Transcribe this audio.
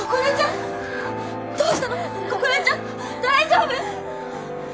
大丈夫？